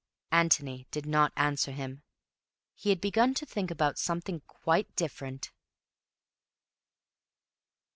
Antony did not answer him. He had begun to think about something quite different.